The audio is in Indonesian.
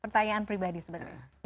pertanyaan pribadi sebenarnya